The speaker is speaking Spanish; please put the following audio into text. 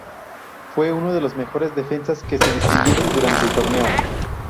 Fue uno de los mejores defensas que se distinguieron durante el torneo.